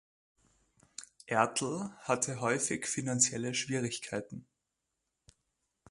Ertl hatte häufig finanzielle Schwierigkeiten.